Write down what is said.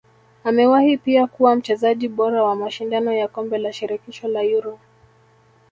Amewahi pia kuwa mchezaji bora wa mashindano ya kombe la shirikisho la Euro